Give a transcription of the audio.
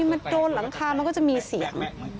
มันโดนหลังคามันก็จะมีเสียง